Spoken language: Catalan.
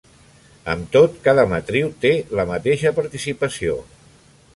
Amb tot, cada matriu té la mateixa participació.